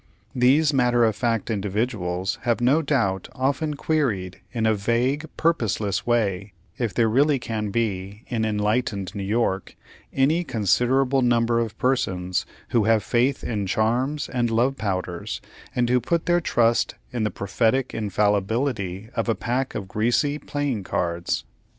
These matter of fact individuals have no doubt often queried in a vague, purposeless way, if there really can be in enlightened New York any considerable number of persons who have faith in charms and love powders, and who put their trust in the prophetic infallibility of a pack of greasy playing cards.